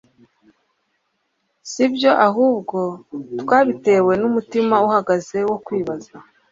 si ibyo! ahubwo twabitewe n'umutima uhagaze wo kwibaza